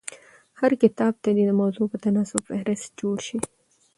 هر کتاب ته دي د موضوع په تناسب فهرست جوړ سي.